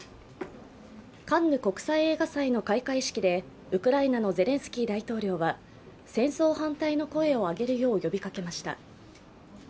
カンヌ国際映画祭の開会式で、ウクライナのゼレンスキー大統領は戦争反対の声をあげるよう呼びかけました。